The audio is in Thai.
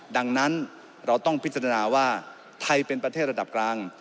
ดังนั้นเราต้องพิจารณาว่าไทยเป็นประเทศระดับกลาง